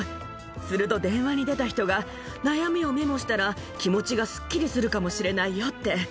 すると電話に出た人が、悩みをメモしたら、気持ちがすっきりするかもしれないよって。